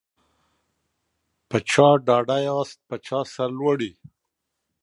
په چا ډاډه یاست په چا سرلوړي